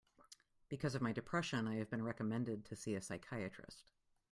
Because of my depression, I have been recommended to see a psychiatrist.